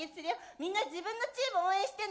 みんな自分のチーム応援してね。